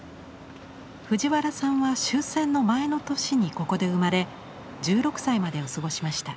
藤原さんは終戦の前の年にここで生まれ１６歳までを過ごしました。